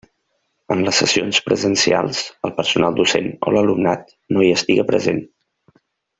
En les sessions presencials, el personal docent o l'alumnat no hi estiga present.